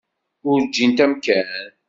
Ur ǧǧint amkan.